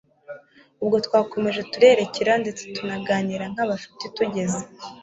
ubwo twarakomeje turerekera ndetse tunaganira nkabashuti tugeze